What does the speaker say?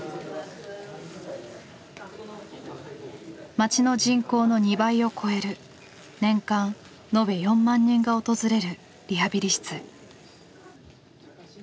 町の人口の２倍を超える年間延べ４万人が訪れるリハビリ室。